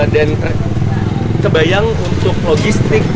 dan terbayang untuk logistik